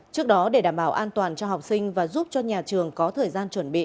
trước đó để đảm bảo an toàn cho học sinh và giúp cho nhà trường có thời gian chuẩn bị